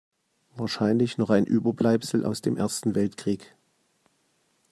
Wahrscheinlich noch ein Überbleibsel aus dem Ersten Weltkrieg.